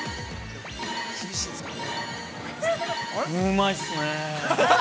◆うまいっすね。